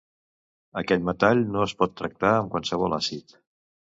Aquell metall no es pot tractar amb qualsevol àcid.